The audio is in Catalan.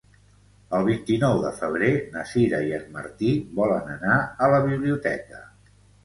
El vint-i-nou de febrer na Sira i en Martí volen anar a la biblioteca.